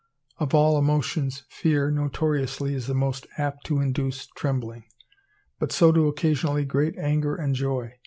Of all emotions, fear notoriously is the most apt to induce trembling; but so do occasionally great anger and joy.